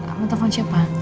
kamu telfon siapa